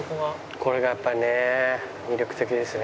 これがやっぱりね魅力的ですね。